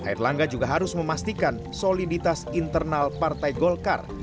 erlangga juga harus memastikan soliditas internal partai golkar